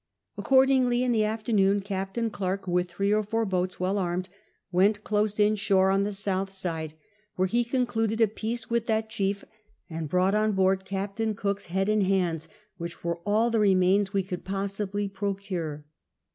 Accordingly in the afternoon Captain Clerke, with three or four boats well armed, went close inshore on the south side, whei'e he con 170 CAPTAIN COOK CHAP. eluded a peace with that chief, and brought on board Captain Cook's head and hands, which were all the remains we could possibly procure.